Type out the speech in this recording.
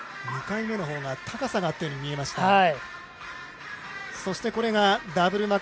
２回目の方が高さがあったように見えました。